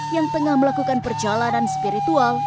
yang tengah melakukan perjalanan spiritual